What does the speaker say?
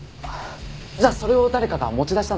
じゃあそれを誰かが持ち出したんですね。